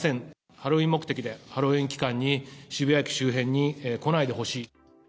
ハロウィーン目的で、ハロウィーン期間に渋谷駅周辺に来ないでほしい。